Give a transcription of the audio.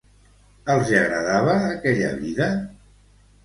Els hi agradava aquella vida?